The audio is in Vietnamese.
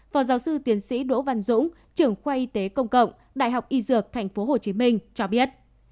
phó giáo sư tiến sĩ đỗ văn dũng trưởng khoa y tế công cộng đại học y dược tp hcm cho biết